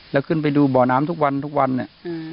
แล้วขึ้นไปดูบ่อน้ำทุกวันทุกวันเนี่ย